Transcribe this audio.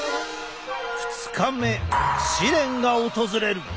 ２日目試練が訪れる！